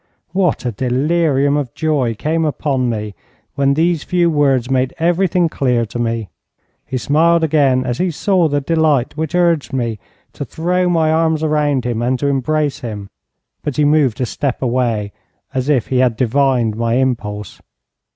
What a delirium of joy came upon me when these few words made everything clear to me. He smiled again as he saw the delight which urged me to throw my arms round him and to embrace him, but he moved a step away, as if he had divined my impulse.